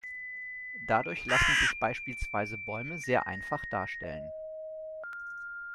Dadurch lassen sich beispielsweise Bäume sehr einfach darstellen.